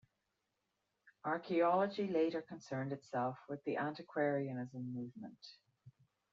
Archaeology later concerned itself with the antiquarianism movement.